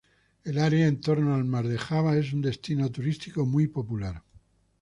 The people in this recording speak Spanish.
El área en torno al mar de Java es un destino turístico muy popular.